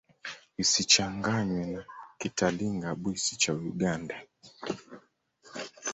Isichanganywe na Kitalinga-Bwisi cha Uganda.